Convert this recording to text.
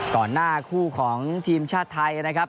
หน้าคู่ของทีมชาติไทยนะครับ